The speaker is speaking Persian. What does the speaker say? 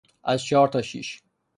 از چهار تا شش